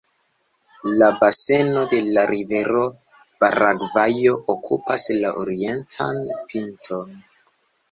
La baseno de la rivero Paragvajo okupas la orientan pinton.